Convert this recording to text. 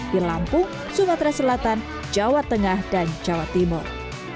di lampung sumatera selatan jawa tengah dan jawa timur